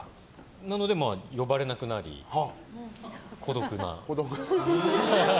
なので呼ばれなくなり孤独な。